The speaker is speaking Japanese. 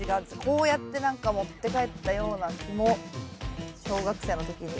こうやって何か持って帰ったような気も小学生の時に。